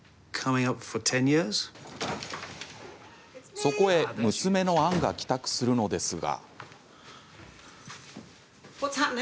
そこへ娘のアンが帰宅するのですが。